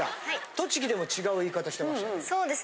栃木でも違う言い方してましたけども。